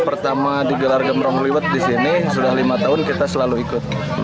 pertama di gelar gembrong liwet disini sudah lima tahun kita selalu ikut